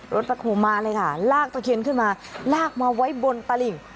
รถแบ็คโฮมาเลยค่ะลากตะเคียนขึ้นมาลากมาไว้บนตลิ่ง